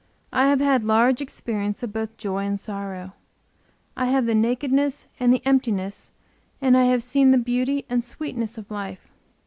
I have had large experience of both joy and sorrow; I have the nakedness and the emptiness and I have seen the beauty and sweetness of life.